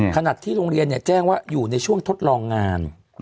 ที่โรงเรียนแจ้งว่าอยู่ในช่วงทดลองงาน